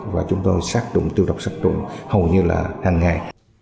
và chúng tôi sát trụng tiêu độc sát trụng hầu như là hàng ngày